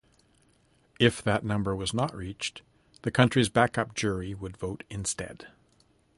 If that number was not reached, the country's backup jury would vote instead.